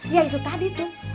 ya itu tadi tuh